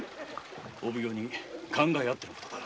お奉行に考えあっての事だ。